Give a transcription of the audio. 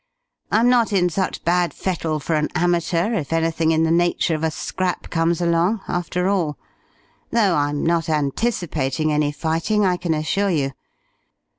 "I'm not in such bad fettle for an amateur, if anything in the nature of a scrap comes along, after all. Though I'm not anticipating any fighting, I can assure you.